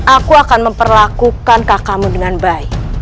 aku akan memperlakukan kakakmu dengan baik